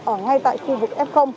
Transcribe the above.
ở ngay tại khu vực f